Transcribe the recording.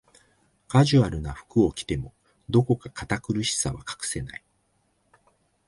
カジュアルな服を着ても、どこか堅苦しさは隠せない